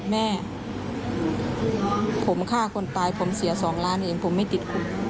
แม่ผมฆ่าคนตายผมเสีย๒ล้านเองผมไม่ติดคุก